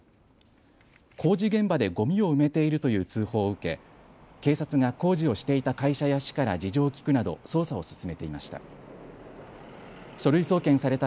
工事現場でゴミを埋めているという通報を受け警察が工事をしていた会社や市から事情を聴くなど捜査を進めていました。